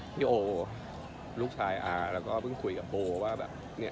พี่โอลูกชายอาแล้วก็เพิ่งคุยกับโบว่าแบบเนี่ย